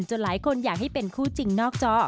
หลายคนอยากให้เป็นคู่จริงนอกจอ